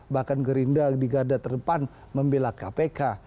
bahkan gerindra di garda terdepan membela kpk